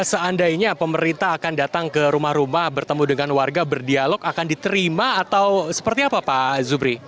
seandainya pemerintah akan datang ke rumah rumah bertemu dengan warga berdialog akan diterima atau seperti apa pak zubri